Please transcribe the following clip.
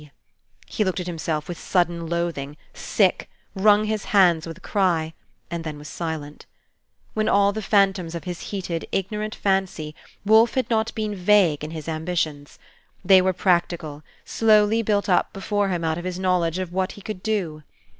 He looked at himself with sudden loathing, sick, wrung his hands With a cry, and then was silent. With all the phantoms of his heated, ignorant fancy, Wolfe had not been vague in his ambitions. They were practical, slowly built up before him out of his knowledge of what he could do.